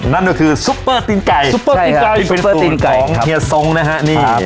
นั่นก็คือซุปเปอร์ตีนไก่ซุปเปอร์ตีนไก่ฟินเปอร์ตีนไก่ของเฮียทรงนะฮะนี่